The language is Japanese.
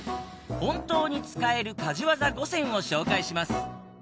本当に使える家事ワザ５選を紹介します